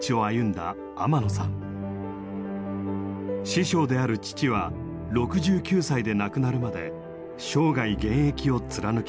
師匠である父は６９歳で亡くなるまで生涯現役を貫きました。